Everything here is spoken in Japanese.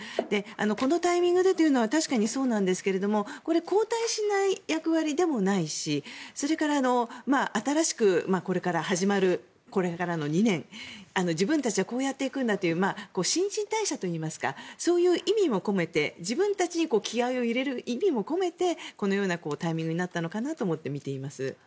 このタイミングでというのは確かにそうですがこれ、交代しない役割でもないしそれから新しく始まるこれからの２年自分たちはこうやっていくんだという新陳代謝といいますかそういう意味も込めて自分たちに気合を入れる意味も込めてこのようなタイミングになったのかなと思って見ています。